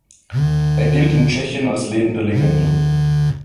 Er gilt in Tschechien als lebende Legende.